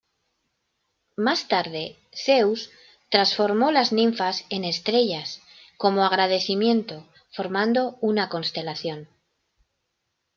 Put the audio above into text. Más tarde Zeus transformó las ninfas en estrellas como agradecimiento, formando una constelación.